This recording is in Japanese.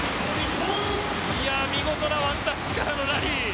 見事なワンタッチからのラリー。